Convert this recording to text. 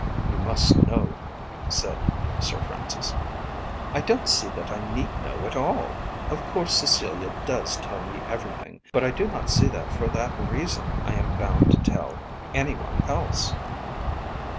"You must know," said Sir Francis. "I don't see that I need know at all. Of course Cecilia does tell me everything; but I do not see that for that reason I am bound to tell anyone else."